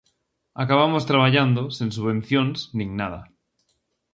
Acabamos traballando sen subvencións nin nada.